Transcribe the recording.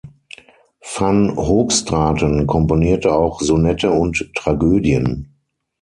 Van Hoogstraten komponierte auch Sonette und Tragödien.